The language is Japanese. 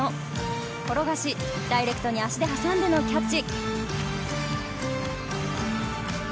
転がし、ダイレクトに足で挟んでキャッチ。